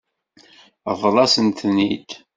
Ṛḍel-asent-ten-id.